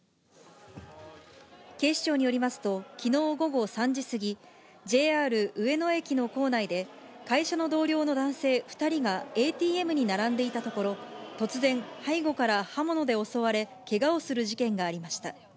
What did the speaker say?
警視庁によりますと、きのう午後３時過ぎ、ＪＲ上野駅の構内で、会社の同僚の男性２人がＡＴＭに並んでいたところ、突然、背後から刃物で襲われ、けがをする事件がありました。